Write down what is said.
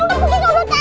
udah pergi dulu nek